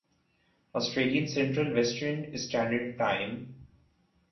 Australian central western standard time